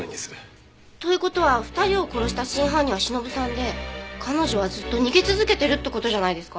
という事は２人を殺した真犯人はしのぶさんで彼女はずっと逃げ続けてるって事じゃないですか？